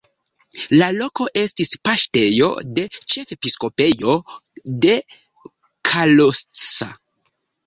La loko estis paŝtejo de ĉefepiskopejo de Kalocsa.